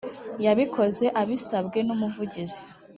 yabikoze abisabwe n’ umuvugizi .